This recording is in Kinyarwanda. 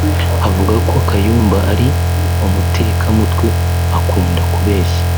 Avuga ko Kayumba ari umuteka mutwe ukunda kubeshya